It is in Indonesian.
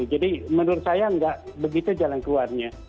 jadi menurut saya enggak begitu jalan keluarnya